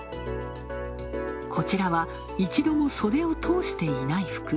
こちらは一度も袖を通していない服。